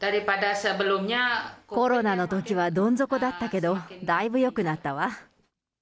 コロナのときはどん底だったけど、だいぶよくなったわ。